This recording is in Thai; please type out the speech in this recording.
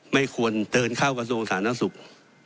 ไม่ควรเตินเข้ากระทรวงสถานทรัพย์ศุกร์